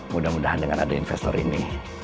mudah mudahan dengan ada investor ini